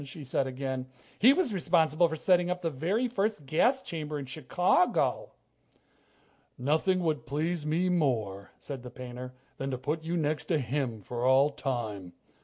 she said again. "He was responsible for setting up the very first gas chamber in Chicago." "Nothing would please me more," said the painter, "than to put you next to him for all time.